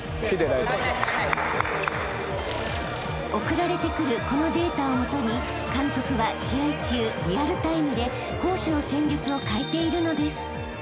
［送られてくるこのデータを基に監督は試合中リアルタイムで攻守の戦術を変えているのです］